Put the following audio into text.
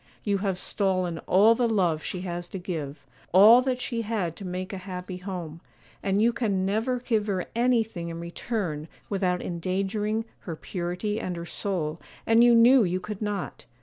You have stolen all the love she has to give, all that she had to make a happy home; and you can never give her anything in return without endangering her purity and her soul, and you knew you could not.